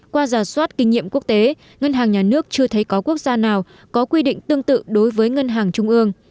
qua giả soát kinh nghiệm quốc tế ngân hàng nhà nước chưa thấy có quốc gia nào có quy định tương tự đối với ngân hàng trung ương